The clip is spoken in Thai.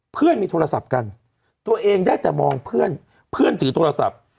เพื่อนมีโทรศัพท์กันตัวเองได้แต่มองเพื่อนเพื่อนถือโทรศัพท์